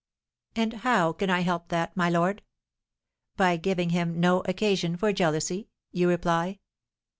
"And how can I help that, my lord? By giving him no occasion for jealousy, you reply.